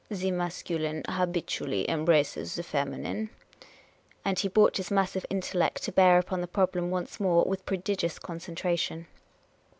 " The masculine habitually embraces the feminine." And he brought his massive intellect to bear upon the problem once more with prodigious concentration.